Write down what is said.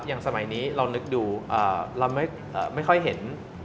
สมัยนี้เรานึกดูเราไม่ค่อยเห็น